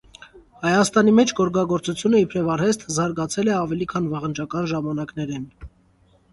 Հայաստանի մէջ գորգագործութիւնը՝ իբրեւ արհեստ, զարգացեր է աւելի քան վաղնջական ժամանակներէն։